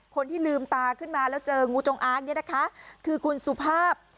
คนที่ลืมตาขึ้นมาแล้วเจองูจงอางเนี่ยนะคะคือคุณสุภาพ